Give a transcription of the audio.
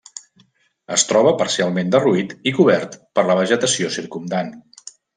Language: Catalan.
Es troba parcialment derruït i cobert per la vegetació circumdant.